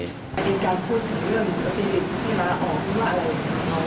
ในการพูดถึงเรื่องสปีดิตที่ละออก